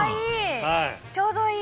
ちょうどいい。